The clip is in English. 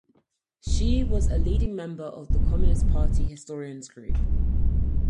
She was a leading member of the Communist Party Historians Group.